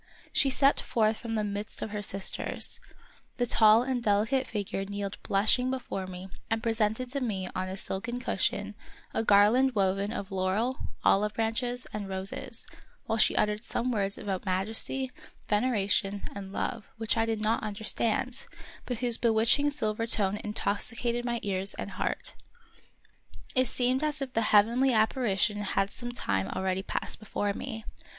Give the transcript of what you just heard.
She stepped forth from the midst of her sisters ; the tall and delicate figure kneeled blushing be fore me and presented to me on a silken cushion a garland woven of laurel, olive branches, and roses, while she uttered some words about majesty, ven eration, and love, which I did not understand, but whose bewitching silver tone intoxicated my ear and heart. It seemed as if the heavenly appari tion had some time already passed before me.